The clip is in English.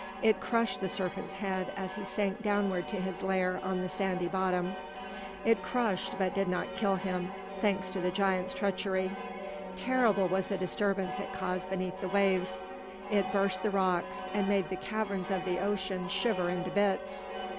It crushed the serpent's head as he sank downward to his lair on the sandy bottom; it crushed, but did not kill him, thanks to the giant's treachery. Terrible was the disturbance it caused beneath the waves. It burst the rocks and made the caverns of the ocean shiver into bits.